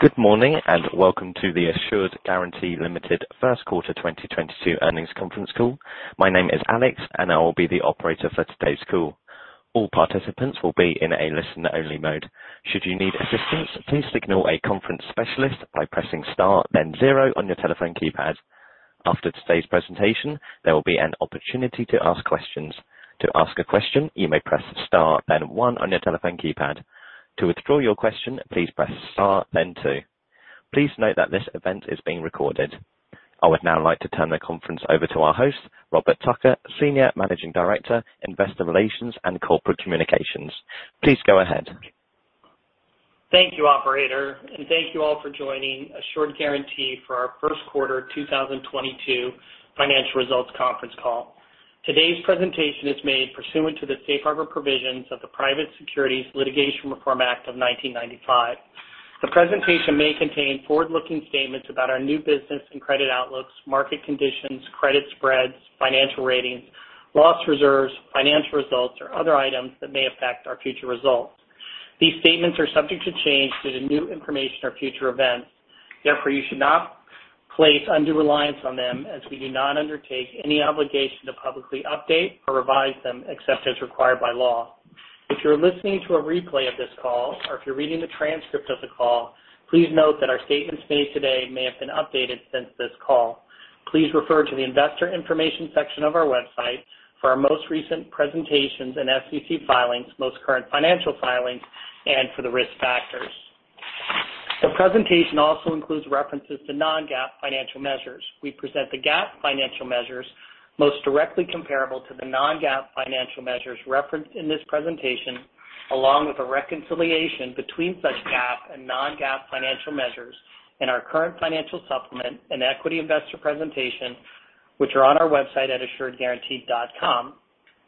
Good morning, and welcome to the Assured Guaranty Ltd. First Quarter 2022 Earnings Conference Call. My name is Alex, and I will be the operator for today's call. All participants will be in a listen only mode. Should you need assistance, please signal a conference specialist by pressing Star, then zero on your telephone keypad. After today's presentation, there will be an opportunity to ask questions. To ask a question, you may press star then one on your telephone keypad. To withdraw your question, please press star then two. Please note that this event is being recorded. I would now like to turn the conference over to our host, Robert Tucker, Senior Managing Director, Investor Relations and Corporate Communications. Please go ahead. Thank you, operator, and thank you all for joining Assured Guaranty for our First Quarter 2022 Financial Results Conference Call. Today's presentation is made pursuant to the safe harbor provisions of the Private Securities Litigation Reform Act of 1995. The presentation may contain forward-looking statements about our new business and credit outlooks, market conditions, credit spreads, financial ratings, loss reserves, financial results, or other items that may affect our future results. These statements are subject to change due to new information or future events. Therefore, you should not place undue reliance on them as we do not undertake any obligation to publicly update or revise them except as required by law. If you're listening to a replay of this call, or if you're reading the transcript of the call, please note that our statements made today may have been updated since this call. Please refer to the investor information section of our website for our most recent presentations and SEC filings, most current financial filings, and for the risk factors. The presentation also includes references to non-GAAP financial measures. We present the GAAP financial measures most directly comparable to the non-GAAP financial measures referenced in this presentation, along with a reconciliation between such GAAP and non-GAAP financial measures in our current financial supplement and equity investor presentation, which are on our website at assuredguaranty.com.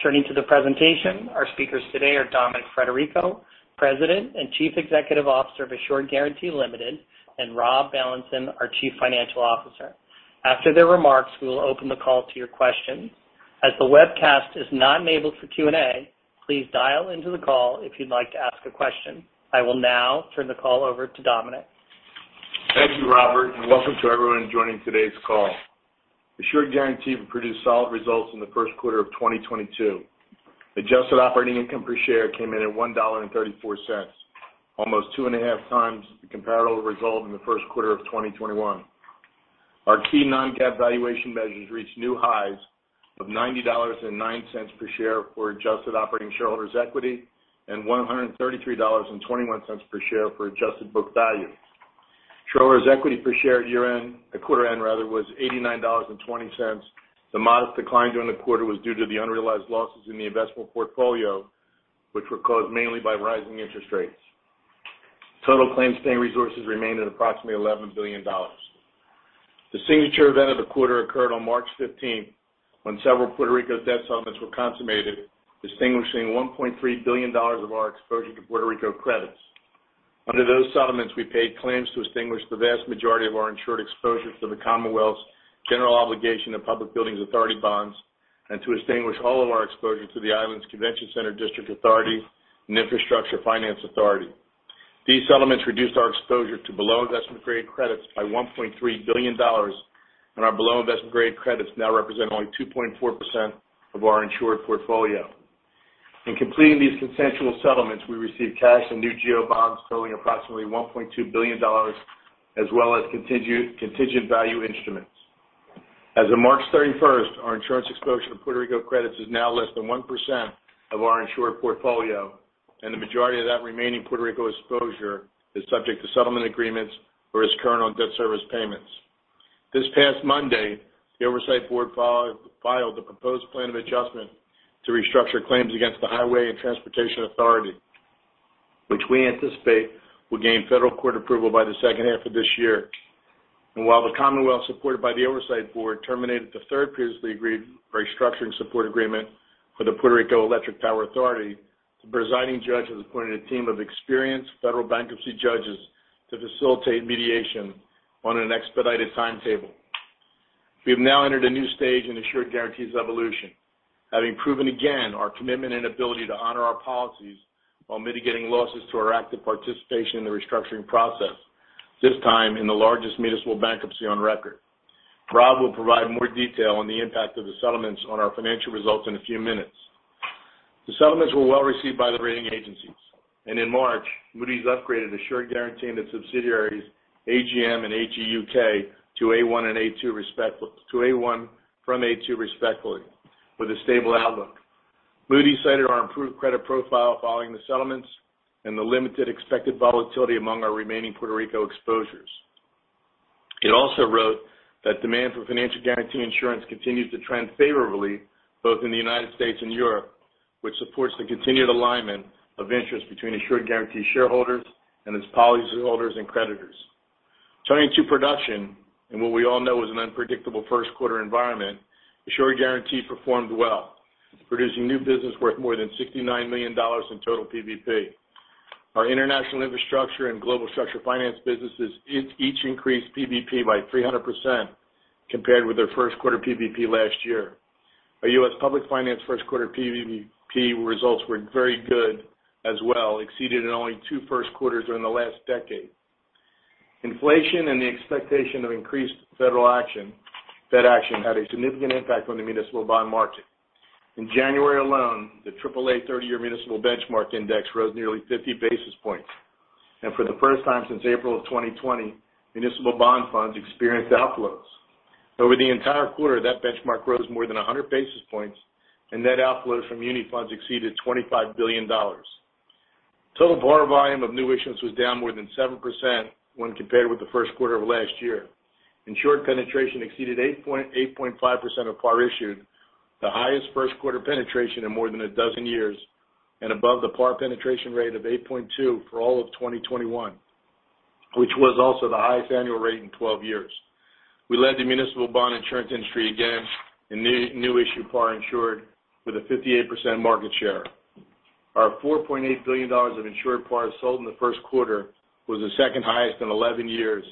Turning to the presentation, our speakers today are Dominic Frederico, President and Chief Executive Officer of Assured Guaranty Ltd., and Rob Bailenson, our Chief Financial Officer. After their remarks, we will open the call to your questions. As the webcast is not enabled for Q&A, please dial into the call if you'd like to ask a question. I will now turn the call over to Dominic. Thank you, Robert, and welcome to everyone joining today's call. Assured Guaranty produced solid results in the first quarter of 2022. Adjusted operating income per share came in at $1.34, almost two and a half times the comparable result in the first quarter of 2021. Our key non-GAAP valuation measures reached new highs of $90.09 per share for adjusted operating shareholders' equity, and $133.21 per share for adjusted book value. Shareholders' equity per share at year-end, at quarter-end rather, was $89.20. The modest decline during the quarter was due to the unrealized losses in the investable portfolio, which were caused mainly by rising interest rates. Total claims paying resources remained at approximately $11 billion. The signature event of the quarter occurred on March fifteenth when several Puerto Rico debt settlements were consummated, extinguishing $1.3 billion of our exposure to Puerto Rico credits. Under those settlements, we paid claims to extinguish the vast majority of our insured exposure to the Commonwealth's general obligation and Public Buildings Authority bonds, and to extinguish all of our exposure to the island's Convention Center District Authority and Infrastructure Financing Authority. These settlements reduced our exposure to below-investment grade credits by $1.3 billion, and our below-investment grade credits now represent only 2.4% of our insured portfolio. In completing these consensual settlements, we received cash and new GO bonds totaling approximately $1.2 billion as well as contingent value instruments. As of March 31, our insurance exposure to Puerto Rico credits is now less than 1% of our insured portfolio, and the majority of that remaining Puerto Rico exposure is subject to settlement agreements or is current on debt service payments. This past Monday, the oversight board filed a proposed plan of adjustment to restructure claims against the Highways and Transportation Authority, which we anticipate will gain federal court approval by the second half of this year. While the Commonwealth, supported by the oversight board, terminated the third previously agreed restructuring support agreement for the Puerto Rico Electric Power Authority, the presiding judge has appointed a team of experienced federal bankruptcy judges to facilitate mediation on an expedited timetable. We have now entered a new stage in Assured Guaranty's evolution, having proven again our commitment and ability to honor our policies while mitigating losses to our active participation in the restructuring process, this time in the largest municipal bankruptcy on record. Rob will provide more detail on the impact of the settlements on our financial results in a few minutes. The settlements were well received by the rating agencies, and in March, Moody's upgraded Assured Guaranty and its subsidiaries, AGM and AGUK to A1 from A2 respectively with a stable outlook. Moody's cited our improved credit profile following the settlements and the limited expected volatility among our remaining Puerto Rico exposures. It also wrote that demand for financial guarantee insurance continues to trend favorably both in the United States and Europe, which supports the continued alignment of interest between Assured Guaranty shareholders and its policyholders and creditors. Turning to production, in what we all know is an unpredictable first quarter environment, Assured Guaranty performed well, producing new business worth more than $69 million in total PVP. Our international infrastructure and global structured finance businesses each increased PVP by 300% compared with their first quarter PVP last year. Our U.S. public finance first quarter PVP results were very good as well, exceeded in only 2 first quarters during the last decade. Inflation and the expectation of increased federal action, Fed action had a significant impact on the municipal bond market. In January alone, the AAA 30-year municipal benchmark index rose nearly 50 basis points. For the first time since April of 2020, municipal bond funds experienced outflows. Over the entire quarter, that benchmark rose more than 100 basis points, and net outflows from muni funds exceeded $25 billion. Total par volume of new issuance was down more than 7% when compared with the first quarter of last year. Insured penetration exceeded 8.5% of par issued, the highest first quarter penetration in more than a dozen years, and above the par penetration rate of 8.2% for all of 2021, which was also the highest annual rate in twelve years. We led the municipal bond insurance industry again in new issue par insured with a 58% market share. Our $4.8 billion of insured par sold in the first quarter was the second highest in eleven years.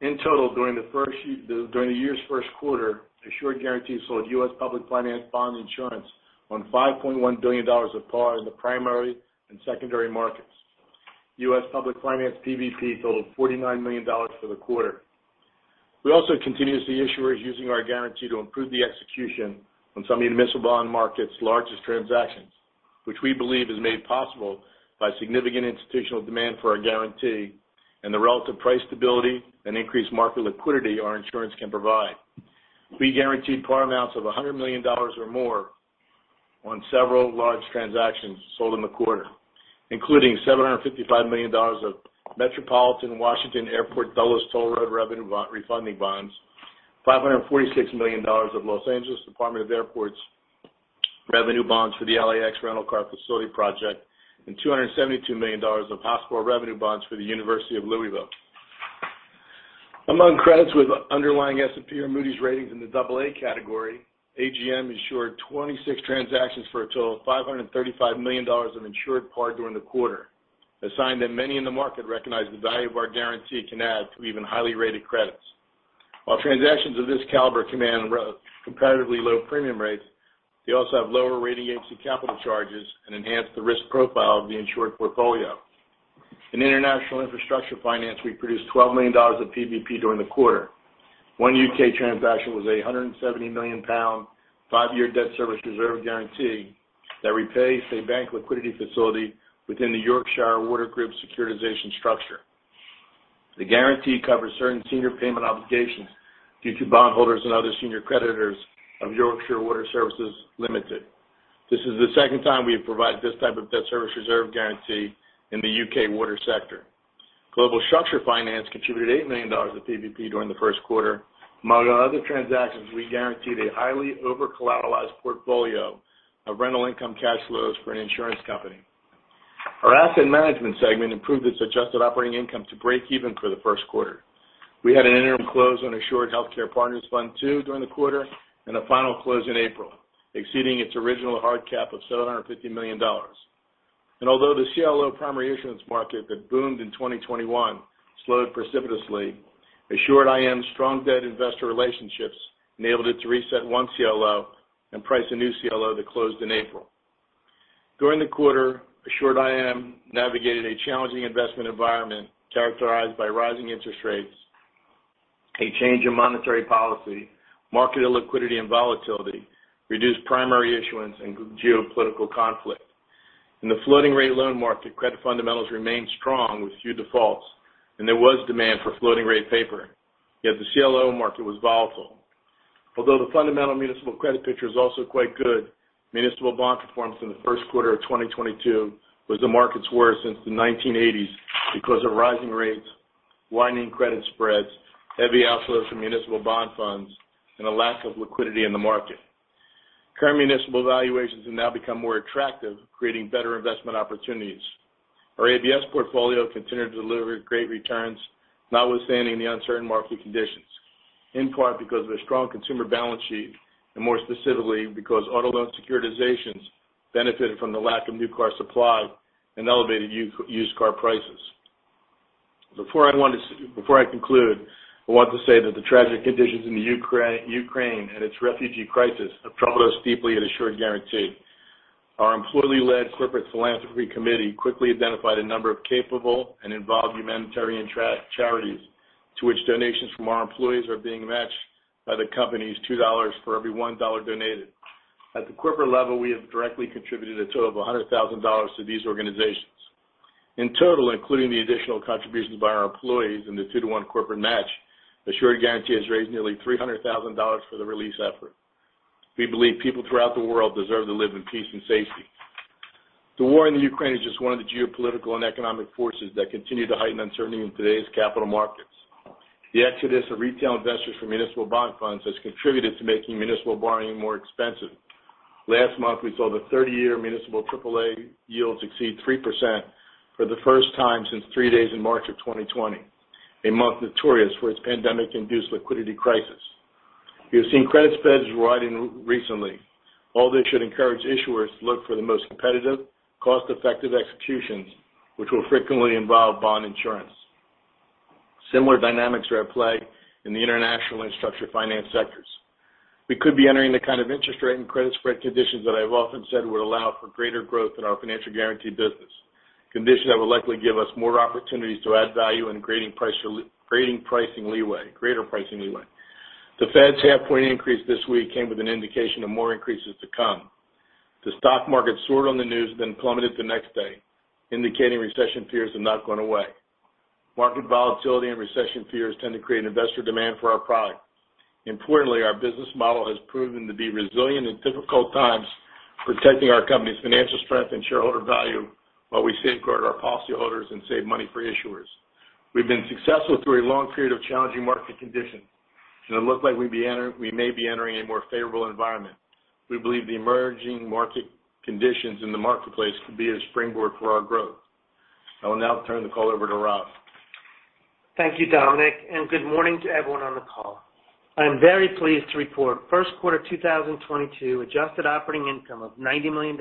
In total, during the year's first quarter, Assured Guaranty sold U.S. public finance bond insurance on $5.1 billion of par in the primary and secondary markets. U.S. public finance PVP totaled $49 million for the quarter. We also continued to assist issuers using our guaranty to improve the execution on some municipal bond market's largest transactions, which we believe is made possible by significant institutional demand for our guaranty and the relative price stability and increased market liquidity our insurance can provide. We guaranteed par amounts of $100 million or more on several large transactions sold in the quarter, including $755 million of Metropolitan Washington Airports Authority Dulles Toll Road revenue refunding bonds, $546 million of Department of Airports of the City of Los Angeles revenue bonds for the LAX Rental Car Facility project, and $272 million of hospital revenue bonds for the University of Louisville. Among credits with underlying S&P or Moody's ratings in the double A category, AGM insured 26 transactions for a total of $535 million of insured par during the quarter, a sign that many in the market recognize the value of our guaranty can add to even highly rated credits. While transactions of this caliber command competitively low premium rates, they also have lower rating agency capital charges and enhance the risk profile of the insured portfolio. In international infrastructure finance, we produced $12 million of PVP during the quarter. One U.K. transaction was a 170 million pound five-year debt service reserve guaranty that repays a bank liquidity facility within the Yorkshire Water Group securitization structure. The guaranty covers certain senior payment obligations due to bondholders and other senior creditors of Yorkshire Water Services Limited. This is the second time we have provided this type of debt service reserve guaranty in the U.K. water sector. Global structured finance contributed $8 million of PVP during the first quarter. Among other transactions, we guarantee the highly over-collateralized portfolio of rental income cash flows for an insurance company. Our asset management segment improved its adjusted operating income to break even for the first quarter. We had an interim close on Assured Healthcare Partners Fund 2 during the quarter and a final close in April, exceeding its original hard cap of $750 million. Although the CLO primary issuance market that boomed in 2021 slowed precipitously, Assured IM's strong debt investor relationships enabled it to reset one CLO and price a new CLO that closed in April. During the quarter, Assured IM navigated a challenging investment environment characterized by rising interest rates, a change in monetary policy, market illiquidity and volatility, reduced primary issuance, and geopolitical conflict. In the floating rate loan market, credit fundamentals remained strong with few defaults, and there was demand for floating rate paper. Yet the CLO market was volatile. Although the fundamental municipal credit picture is also quite good, municipal bond performance in the first quarter of 2022 was the market's worst since the 1980s because of rising rates, widening credit spreads, heavy outflows from municipal bond funds, and a lack of liquidity in the market. Current municipal valuations have now become more attractive, creating better investment opportunities. Our ABS portfolio continued to deliver great returns notwithstanding the uncertain market conditions, in part because of a strong consumer balance sheet and more specifically because auto loan securitizations benefited from the lack of new car supply and elevated used car prices. Before I conclude, I want to say that the tragic conditions in the Ukraine and its refugee crisis have troubled us deeply at Assured Guaranty. Our employee-led corporate philanthropy committee quickly identified a number of capable and involved humanitarian charities to which donations from our employees are being matched by the company's two dollars for every one dollar donated. At the corporate level, we have directly contributed a total of $100,000 to these organizations. In total, including the additional contributions by our employees in the two-to-one corporate match, Assured Guaranty has raised nearly $300,000 for the relief effort. We believe people throughout the world deserve to live in peace and safety. The war in Ukraine is just one of the geopolitical and economic forces that continue to heighten uncertainty in today's capital markets. The exodus of retail investors from municipal bond funds has contributed to making municipal borrowing more expensive. Last month, we saw the 30-year municipal AAA yields exceed 3% for the first time since 3 days in March of 2020, a month notorious for its pandemic-induced liquidity crisis. We have seen credit spreads widening recently. All this should encourage issuers to look for the most competitive, cost-effective executions, which will frequently involve bond insurance. Similar dynamics are at play in the international and structured finance sectors. We could be entering the kind of interest rate and credit spread conditions that I've often said would allow for greater growth in our financial guarantee business, conditions that will likely give us more opportunities to add value and adding pricing leeway, greater pricing leeway. The Fed's 0.5-point increase this week came with an indication of more increases to come. The stock market soared on the news, then plummeted the next day, indicating recession fears are not going away. Market volatility and recession fears tend to create an investor demand for our product. Importantly, our business model has proven to be resilient in difficult times, protecting our company's financial strength and shareholder value while we safeguard our policyholders and save money for issuers. We've been successful through a long period of challenging market conditions, and it looks like we may be entering a more favorable environment. We believe the emerging market conditions in the marketplace could be a springboard for our growth. I will now turn the call over to Rob. Thank you, Dominic, and good morning to everyone on the call. I am very pleased to report first quarter 2022 adjusted operating income of $90 million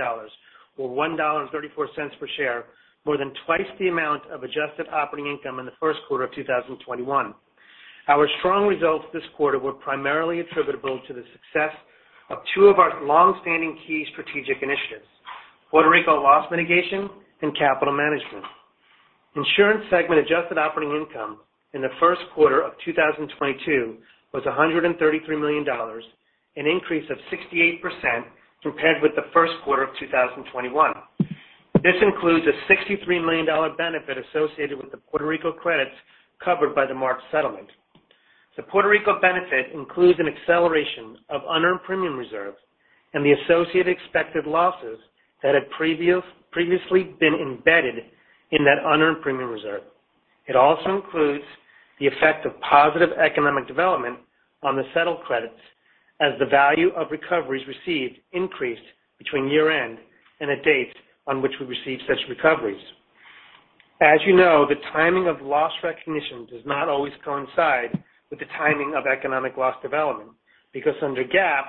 or $1.34 per share, more than twice the amount of adjusted operating income in the first quarter of 2021. Our strong results this quarter were primarily attributable to the success of two of our long-standing key strategic initiatives, Puerto Rico loss mitigation and capital management. Insurance segment adjusted operating income in the first quarter of 2022 was $133 million, an increase of 68% compared with the first quarter of 2021. This includes a $63 million benefit associated with the Puerto Rico credits covered by the March settlement. The Puerto Rico benefit includes an acceleration of unearned premium reserves and the associated expected losses that had previously been embedded in that unearned premium reserve. It also includes the effect of positive economic development on the settled credits as the value of recoveries received increased between year-end and a date on which we received such recoveries. As you know, the timing of loss recognition does not always coincide with the timing of economic loss development because under GAAP,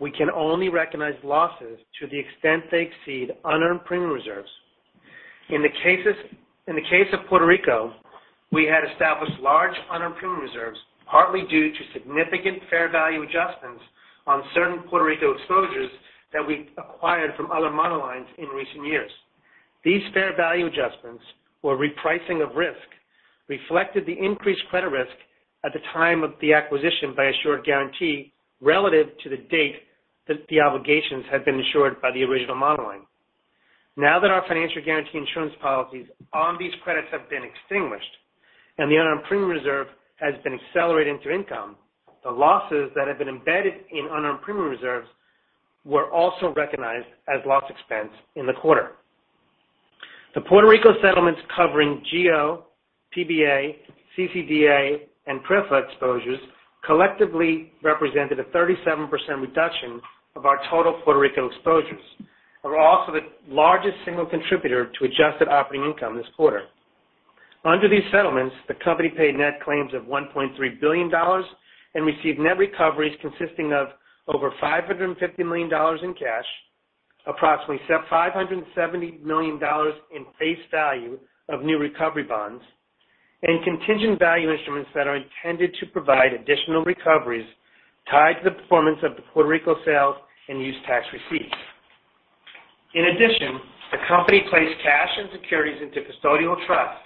we can only recognize losses to the extent they exceed unearned premium reserves. In the case of Puerto Rico, we had established large unearned premium reserves, partly due to significant fair value adjustments on certain Puerto Rico exposures that we acquired from other monolines in recent years. These fair value adjustments or repricing of risk reflected the increased credit risk at the time of the acquisition by Assured Guaranty relative to the date that the obligations had been insured by the original monoline. Now that our financial guarantee insurance policies on these credits have been extinguished and the unearned premium reserve has been accelerated into income, the losses that have been embedded in unearned premium reserves were also recognized as loss expense in the quarter. The Puerto Rico settlements covering GO, PBA, CCDA, and PREPA exposures collectively represented a 37% reduction of our total Puerto Rico exposures, and were also the largest single contributor to adjusted operating income this quarter. Under these settlements, the company paid net claims of $1.3 billion and received net recoveries consisting of over $550 million in cash, approximately $570 million in face value of new recovery bonds, and contingent value instruments that are intended to provide additional recoveries tied to the performance of the Puerto Rico sales and use tax receipts. In addition, the company placed cash and securities into custodial trusts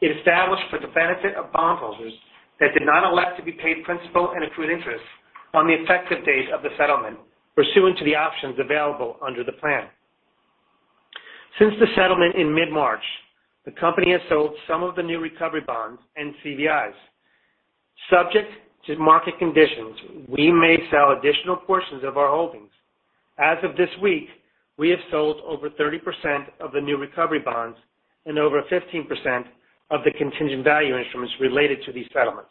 it established for the benefit of bondholders that did not elect to be paid principal and accrued interest on the effective date of the settlement pursuant to the options available under the plan. Since the settlement in mid-March, the company has sold some of the new recovery bonds and CVIs. Subject to market conditions, we may sell additional portions of our holdings. As of this week, we have sold over 30% of the new recovery bonds and over 15% of the contingent value instruments related to these settlements.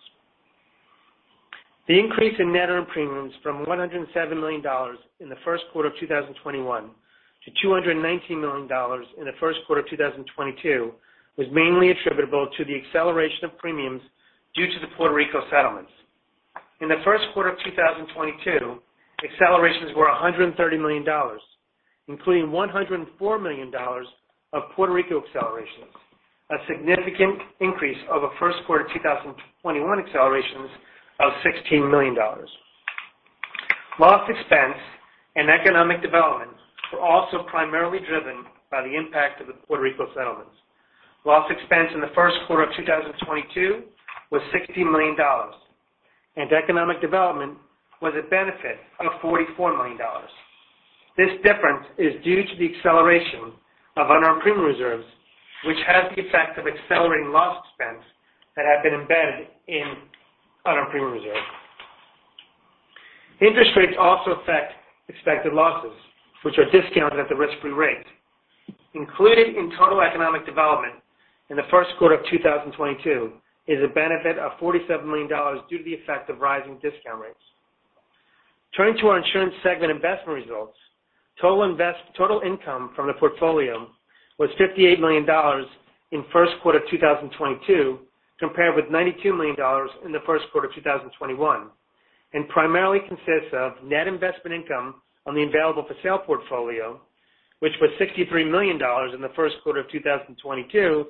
The increase in net earned premiums from $107 million in the first quarter of 2021 to $219 million in the first quarter of 2022 was mainly attributable to the acceleration of premiums due to the Puerto Rico settlements. In the first quarter of 2022, accelerations were $130 million, including $104 million of Puerto Rico accelerations, a significant increase over first quarter 2021 accelerations of $16 million. Loss expense and economic development were also primarily driven by the impact of the Puerto Rico settlements. Loss expense in the first quarter of 2022 was $60 million, and economic development was a benefit of $44 million. This difference is due to the acceleration of unearned premium reserves, which has the effect of accelerating loss expense that had been embedded in unearned premium reserve. Interest rates also affect expected losses, which are discounted at the risk-free rate. Included in total economic development in the first quarter of 2022 is a benefit of $47 million due to the effect of rising discount rates. Turning to our insurance segment investment results, total income from the portfolio was $58 million in first quarter of 2022, compared with $92 million in the first quarter of 2021. Primarily consists of net investment income on the available-for-sale portfolio, which was $63 million in the first quarter of 2022,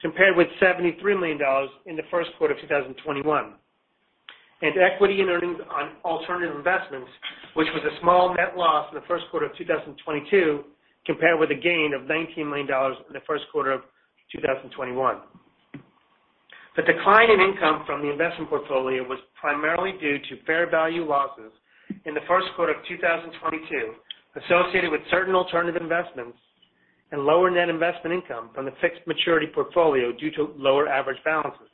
compared with $73 million in the first quarter of 2021. Equity and earnings on alternative investments, which was a small net loss in the first quarter of 2022, compared with a gain of $19 million in the first quarter of 2021. The decline in income from the investment portfolio was primarily due to fair value losses in the first quarter of 2022, associated with certain alternative investments and lower net investment income from the fixed maturity portfolio due to lower average balances.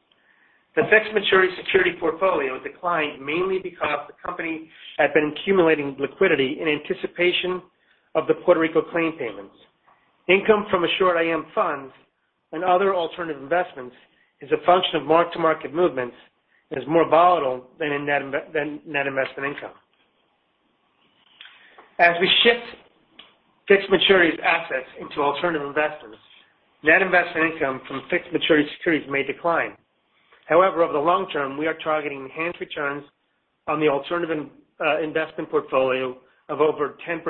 The fixed maturity security portfolio declined mainly because the company had been accumulating liquidity in anticipation of the Puerto Rico claim payments. Income from Assured IM funds and other alternative investments is a function of mark-to-market movements and is more volatile than net investment income. As we shift fixed maturities assets into alternative investments, net investment income from fixed maturity securities may decline. However, over the long term, we are targeting enhanced returns on the alternative investment portfolio of over 10%,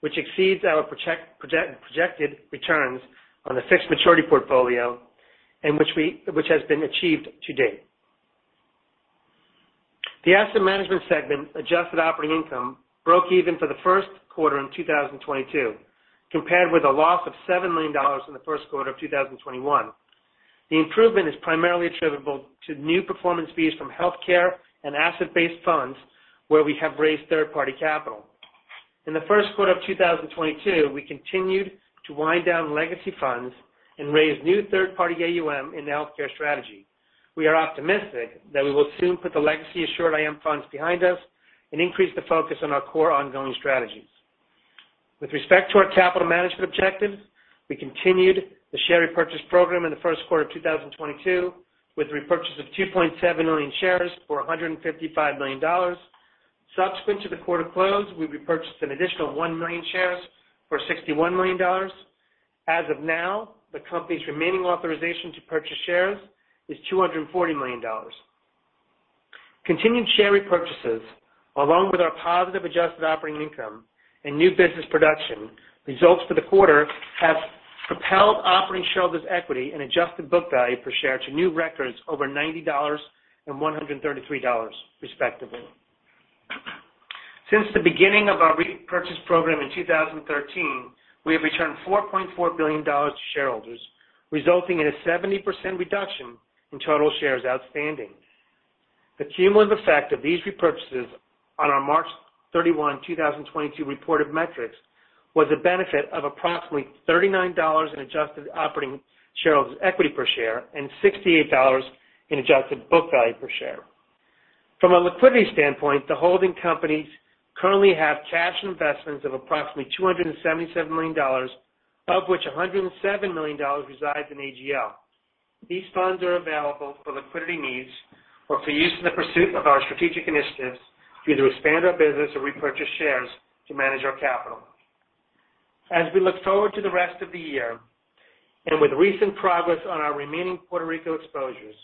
which exceeds our projected returns on the fixed maturity portfolio, and which has been achieved to date. The asset management segment adjusted operating income broke even for the first quarter of 2022, compared with a loss of $7 million in the first quarter of 2021. The improvement is primarily attributable to new performance fees from healthcare and asset-based funds where we have raised third-party capital. In the first quarter of 2022, we continued to wind down legacy funds and raise new third-party AUM in the healthcare strategy. We are optimistic that we will soon put the legacy Assured IM funds behind us and increase the focus on our core ongoing strategies. With respect to our capital management objectives, we continued the share repurchase program in the first quarter of 2022 with the repurchase of 2.7 million shares for $155 million. Subsequent to the quarter close, we repurchased an additional 1 million shares for $61 million. As of now, the company's remaining authorization to purchase shares is $240 million. Continued share repurchases, along with our positive adjusted operating income and new business production results for the quarter, have propelled operating shareholders equity and adjusted book value per share to new records over $90 and $133 respectively. Since the beginning of our repurchase program in 2013, we have returned $4.4 billion to shareholders, resulting in a 70% reduction in total shares outstanding. The cumulative effect of these repurchases on our March 31, 2022 reported metrics was a benefit of approximately $39 in adjusted operating shareholders equity per share and $68 in adjusted book value per share. From a liquidity standpoint, the holding companies currently have cash investments of approximately $277 million, of which $107 million resides in AGL. These funds are available for liquidity needs or for use in the pursuit of our strategic initiatives to either expand our business or repurchase shares to manage our capital. As we look forward to the rest of the year, with recent progress on our remaining Puerto Rico exposures,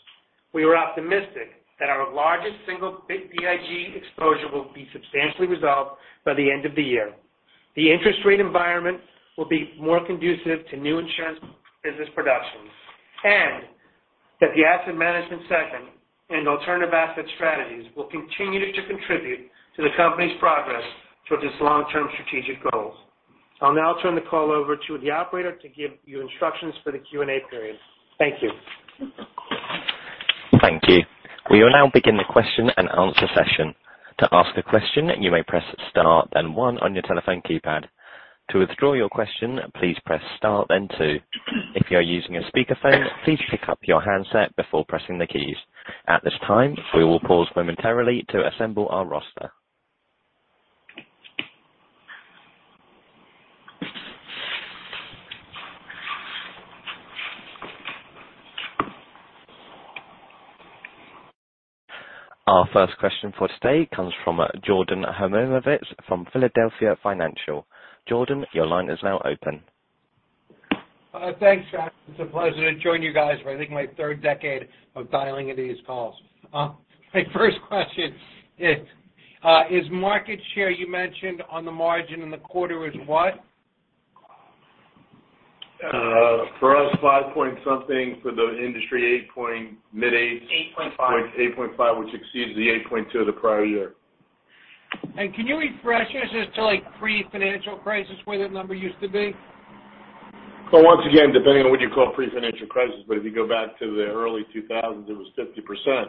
we are optimistic that our largest single BIG exposure will be substantially resolved by the end of the year. The interest rate environment will be more conducive to new insurance business productions, and that the asset management segment and alternative asset strategies will continue to contribute to the company's progress towards its long-term strategic goals. I'll now turn the call over to the operator to give you instructions for the Q&A period. Thank you. Thank you. We will now begin the question and answer session. To ask a question, you may press star then one on your telephone keypad. To withdraw your question, please press star then two. If you are using a speakerphone, please pick up your handset before pressing the keys. At this time, we will pause momentarily to assemble our roster. Our first question for today comes from Jordan Hymowitz from Philadelphia Financial. Jordan, your line is now open. Thanks. It's a pleasure to join you guys for, I think, my third decade of dialing into these calls. My first question is, what is the market share you mentioned on the margin in the quarter? For us, 5 point something. For the industry, 8 point mid-8. 8.5%. 8.5%, which exceeds the 8.2% the prior year. Can you refresh us as to, like, pre-financial crisis, where that number used to be? Once again, depending on what you call pre-financial crisis, but if you go back to the early 2000s, it was 50%.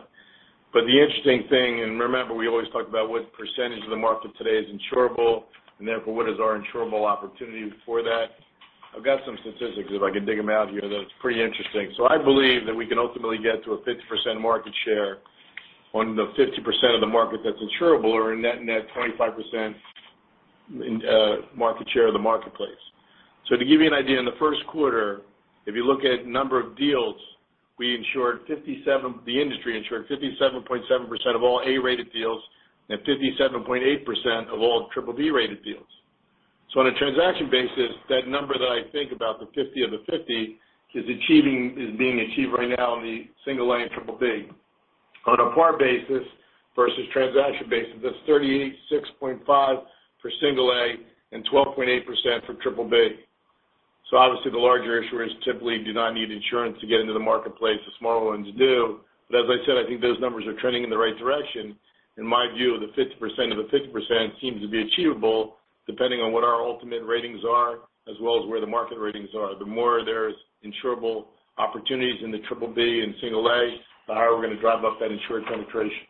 The interesting thing, and remember, we always talk about what percentage of the market today is insurable and therefore what is our insurable opportunity for that. I've got some statistics, if I can dig them out here, that it's pretty interesting. I believe that we can ultimately get to a 50% market share on the 50% of the market that's insurable or a net net 25% market share of the marketplace. To give you an idea, in the first quarter, if you look at number of deals, the industry insured 57.7% of all A-rated deals and 57.8% of all BBB-rated deals. On a transaction basis, that number that I think about, the 50 of the 50 is achieving, is being achieved right now in the single A and triple B. On a par basis versus transaction basis, that's 38, 6.5 for single A and 12.8% for triple B. Obviously the larger issuers typically do not need insurance to get into the marketplace, the smaller ones do. As I said, I think those numbers are trending in the right direction. In my view, the 50% of the 50% seems to be achievable depending on what our ultimate ratings are, as well as where the market ratings are. The more there's insurable opportunities in the triple B and single A, the higher we're gonna drive up that insured penetration.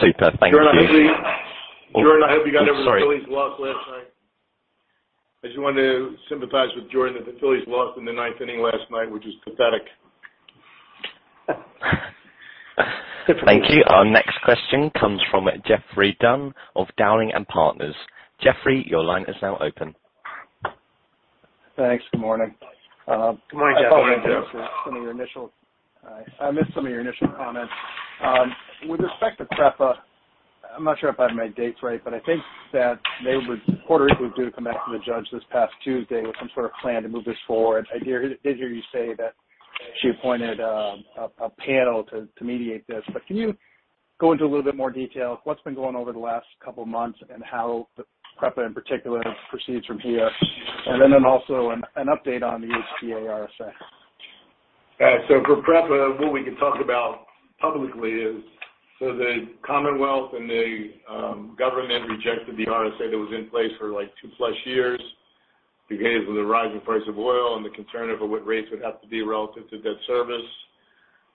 Super. Thank you. Jordan, I hope you- Oh, sorry. Jordan, I hope you got over the Phillies loss last night. I just wanted to sympathize with Jordan that the Phillies lost in the ninth inning last night, which is pathetic. Thank you. Our next question comes from Geoffrey Dunn of Dowling & Partners. Geoffrey, your line is now open. Thanks. Good morning. Good morning, Geoffrey. I missed some of your initial comments. With respect to PREPA, I'm not sure if I have my dates right, but I think that Puerto Rico was due to come back to the judge this past Tuesday with some sort of plan to move this forward. I did hear you say that she appointed a panel to mediate this. Can you go into a little bit more detail of what's been going over the last couple of months and how the PREPA in particular proceeds from here? Then also an update on the HTA RSA. For PREPA, what we can talk about publicly is the Commonwealth and the government rejected the RSA that was in place for like 2+ years because of the rising price of oil and the concern over what rates would have to be relative to debt service.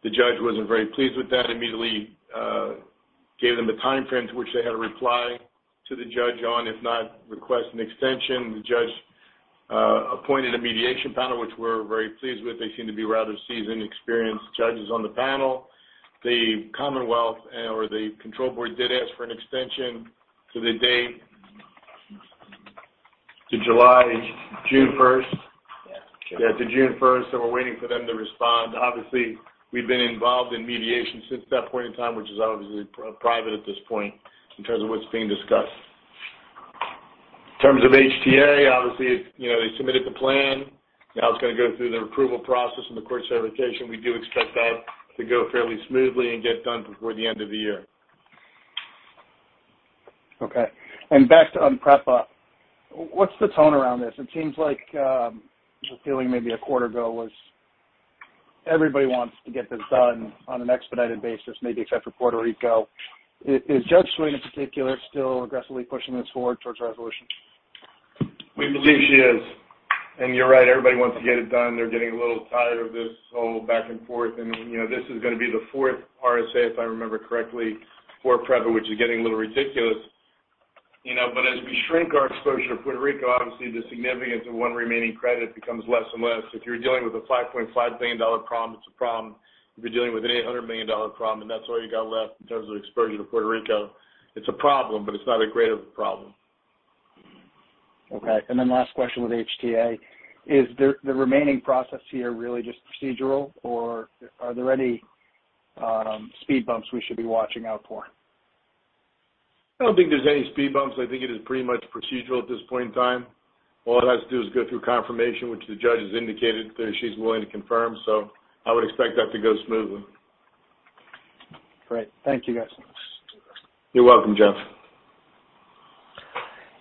The judge wasn't very pleased with that. Immediately, gave them a timeframe to which they had to reply to the judge on, if not, request an extension. The judge appointed a mediation panel, which we're very pleased with. They seem to be rather seasoned, experienced judges on the panel. The Commonwealth and/or the control board did ask for an extension to the date to June first. Yeah. Yeah, to June first, and we're waiting for them to respond. Obviously, we've been involved in mediation since that point in time, which is obviously private at this point in terms of what's being discussed. In terms of HTA, obviously, you know, they submitted the plan. Now it's gonna go through the approval process and the court certification. We do expect that to go fairly smoothly and get done before the end of the year. Okay. Back to on PREPA, what's the tone around this? It seems like, the feeling maybe a quarter ago was everybody wants to get this done on an expedited basis, maybe except for Puerto Rico. Is Judge Swain in particular still aggressively pushing this forward towards resolution? We believe she is. You're right, everybody wants to get it done. They're getting a little tired of this whole back and forth. You know, this is gonna be the fourth RSA, if I remember correctly, for PREPA, which is getting a little ridiculous. You know, as we shrink our exposure to Puerto Rico, obviously the significance of one remaining credit becomes less and less. If you're dealing with a $5.5 billion problem, it's a problem. If you're dealing with an $800 million problem, and that's all you got left in terms of exposure to Puerto Rico, it's a problem, but it's not as great of a problem. Okay. Last question with HTA. Is the remaining process here really just procedural, or are there any speed bumps we should be watching out for? I don't think there's any speed bumps. I think it is pretty much procedural at this point in time. All it has to do is go through confirmation, which the judge has indicated that she's willing to confirm. I would expect that to go smoothly. Great. Thank you, guys. You're welcome, Geoff.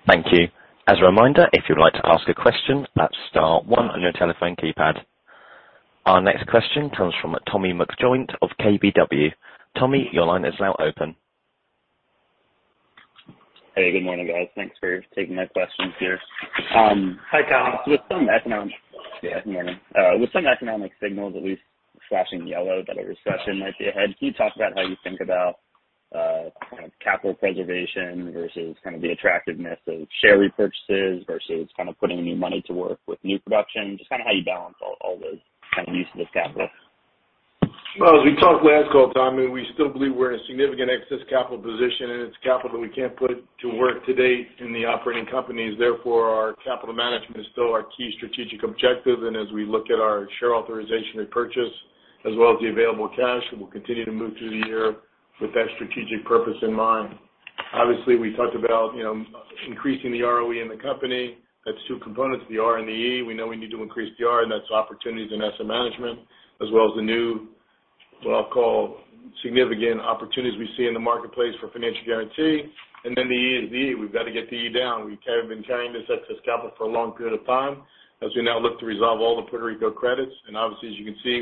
Thank you. As a reminder, if you'd like to ask a question, press star one on your telephone keypad. Our next question comes from Tommy McJoynt of KBW. Tommy, your line is now open. Hey, good morning, guys. Thanks for taking my questions here. Hi, Tom. Yeah, good morning. With some economic signals at least flashing yellow that a recession might be ahead, can you talk about how you think about kind of capital preservation versus kind of the attractiveness of share repurchases versus kind of putting new money to work with new production, just kinda how you balance all those kind of uses of capital? Well, as we talked last call, Tommy, we still believe we're in a significant excess capital position, and it's capital we can't put to work to date in the operating companies. Therefore, our capital management is still our key strategic objective. As we look at our share authorization repurchase as well as the available cash, we'll continue to move through the year with that strategic purpose in mind. Obviously, we talked about, you know, increasing the ROE in the company. That's two components, the R and the E. We know we need to increase the R, and that's opportunities in asset management as well as the new, what I'll call significant opportunities we see in the marketplace for financial guaranty. The E is the E. We've got to get the E down. We have been carrying this excess capital for a long period of time as we now look to resolve all the Puerto Rico credits. Obviously, as you can see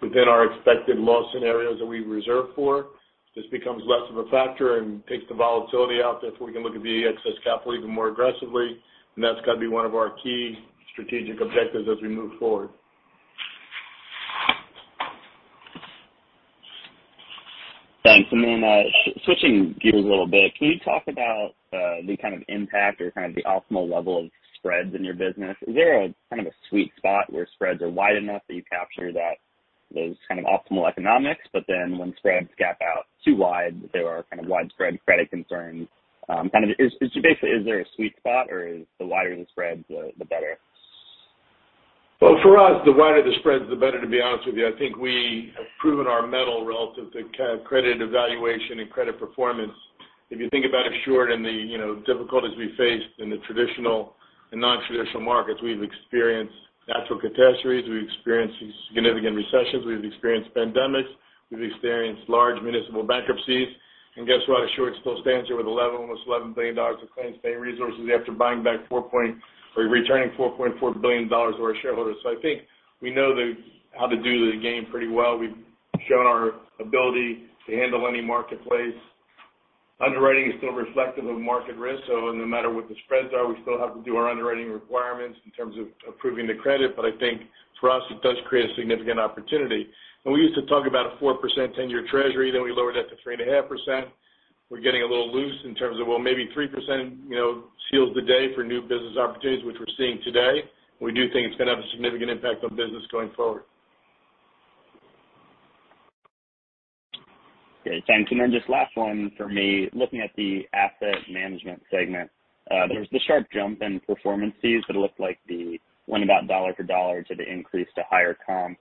within our expected loss scenarios that we reserve for, this becomes less of a factor and takes the volatility out, therefore we can look at the excess capital even more aggressively. That's got to be one of our key strategic objectives as we move forward. Thanks. Switching gears a little bit, can you talk about the kind of impact or kind of the optimal level of spreads in your business? Is there a kind of a sweet spot where spreads are wide enough that you capture that, those kind of optimal economics, but then when spreads gap out too wide, there are kind of widespread credit concerns. Basically, is there a sweet spot or is the wider the spreads the better? Well, for us, the wider the spreads, the better, to be honest with you. I think we have proven our mettle relative to credit evaluation and credit performance. If you think about Assured and the, you know, difficulties we faced in the traditional and nontraditional markets, we've experienced natural catastrophes, we've experienced significant recessions, we've experienced pandemics, we've experienced large municipal bankruptcies. Guess what? Assured still stands here with almost $11 billion of claims-paying resources after buying back or returning $4.4 billion to our shareholders. I think we know how to do the game pretty well. We've shown our ability to handle any marketplace. Underwriting is still reflective of market risk, so no matter what the spreads are, we still have to do our underwriting requirements in terms of approving the credit. I think for us, it does create a significant opportunity. When we used to talk about a 4% 10-year Treasury, then we lowered that to 3.5%. We're getting a little loose in terms of, well, maybe 3%, you know, seals the deal for new business opportunities, which we're seeing today. We do think it's gonna have a significant impact on business going forward. Great. Thanks. Then just last one for me. Looking at the asset management segment, there was this sharp jump in performance fees that looked like they went about dollar for dollar to the increase in higher comp.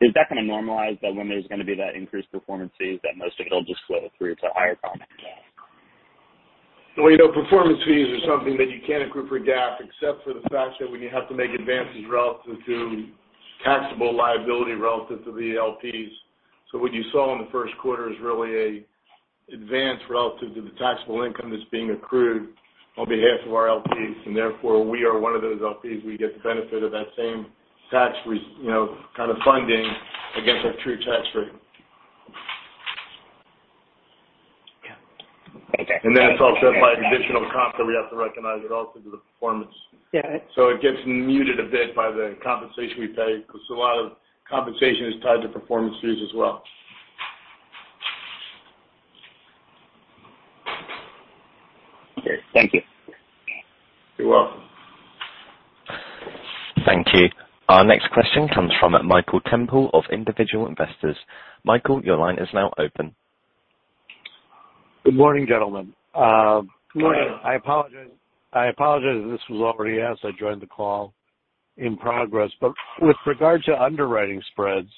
Is that gonna normalize, that when there's gonna be that increased performance fees that most of it'll just flow through to higher comp as well? Well, you know, performance fees are something that you can't accrue for GAAP except for the fact that when you have to make advances relative to taxable liability relative to the LPs. What you saw in the first quarter is really a advance relative to the taxable income that's being accrued on behalf of our LPs, and therefore we are one of those LPs. We get the benefit of that same, you know, kind of funding against our true tax rate. Yeah. Okay. That's also by additional comp that we have to recognize it also to the performance. Yeah. It gets muted a bit by the compensation we pay because a lot of compensation is tied to performance fees as well. Okay, thank you. You're welcome. Thank you. Our next question comes from Michael Temple of Individual Investors. Michael, your line is now open. Good morning, gentlemen. Good morning. I apologize if this was already asked. I joined the call in progress. With regard to underwriting spreads,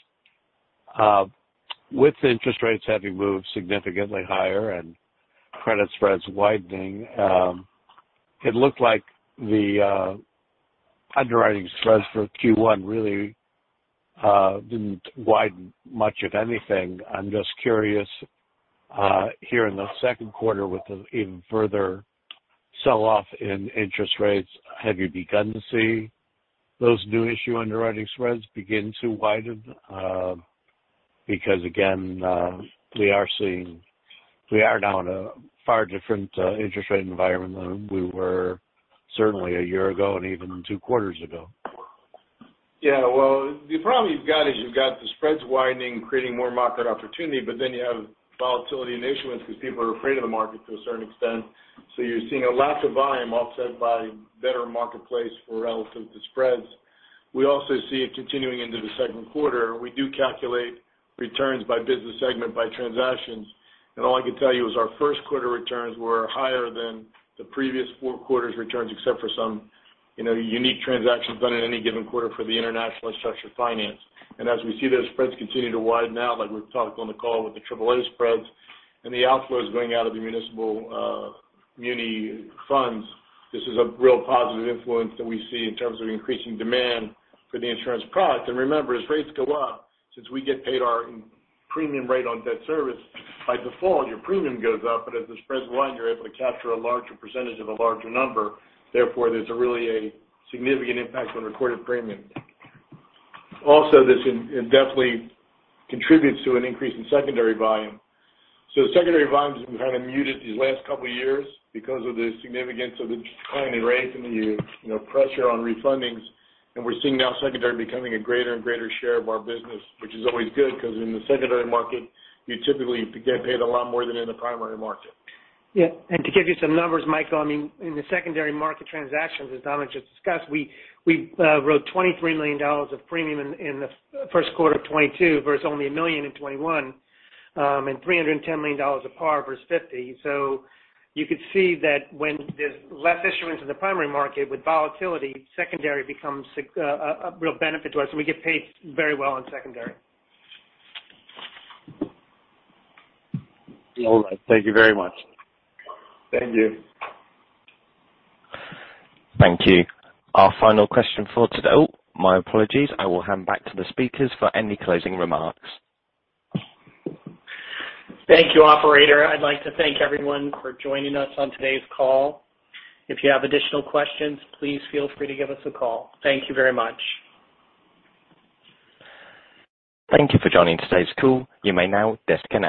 with interest rates having moved significantly higher and credit spreads widening, it looked like the underwriting spreads for Q1 really didn't widen much, if anything. I'm just curious, here in the second quarter with the even further sell-off in interest rates, have you begun to see those new issue underwriting spreads begin to widen? Because again, we are now in a far different interest rate environment than we were certainly a year ago and even two quarters ago. Yeah. Well, the problem you've got is you've got the spreads widening, creating more market opportunity, but then you have volatility in issuance because people are afraid of the market to a certain extent. You're seeing a lack of volume offset by better marketplace relative to spreads. We also see it continuing into the second quarter. We do calculate returns by business segment, by transactions, and all I can tell you is our first quarter returns were higher than the previous four quarters returns, except for some, you know, unique transactions done in any given quarter for the international and structured finance. As we see those spreads continue to widen now, like we've talked on the call with the triple A spreads and the outflows going out of the municipal muni funds, this is a real positive influence that we see in terms of increasing demand for the insurance product. Remember, as rates go up, since we get paid our premium rate on debt service, by default, your premium goes up, but as the spreads widen, you're able to capture a larger percentage of a larger number. Therefore, there's really a significant impact on recorded premium. Also, this indirectly contributes to an increase in secondary volume. Secondary volume has been kind of muted these last couple of years because of the significance of the declining rates and the, you know, pressure on refundings. We're seeing now secondary becoming a greater and greater share of our business, which is always good because in the secondary market, you typically get paid a lot more than in the primary market. Yeah. To give you some numbers, Michael, I mean, in the secondary market transactions, as Dominic just discussed, we wrote $23 million of premium in the first quarter of 2022 versus only $1 million in 2021, and $310 million of par versus $50 million. You could see that when there's less issuance in the primary market with volatility, secondary becomes a real benefit to us. We get paid very well on secondary. All right. Thank you very much. Thank you. Thank you. Our final question for today. Oh, my apologies. I will hand back to the speakers for any closing remarks. Thank you, operator. I'd like to thank everyone for joining us on today's call. If you have additional questions, please feel free to give us a call. Thank you very much. Thank you for joining today's call. You may now disconnect.